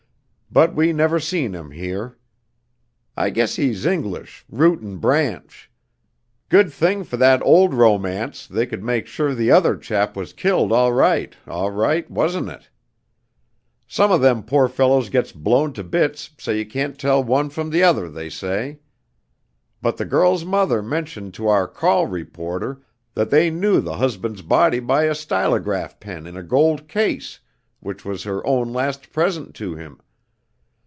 But we never seen him here. I guess he's English, root and branch. Good thing for that 'old romance' they could make sure the other chap was killed all right, all right, wasn't it? Some of them poor fellows gets blown to bits so you can't tell one from t' other, they say. But the girl's mother mentioned to our Call reporter, that they knew the husband's body by a stylograph pen in a gold case, which was her own last present to him.